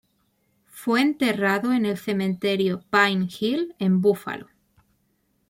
Fue enterrado en el cementerio Pine Hill en Buffalo.